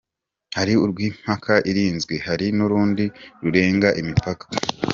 Hari urw’imipaka irinzwe, hari n’urundi rurenga imipaka.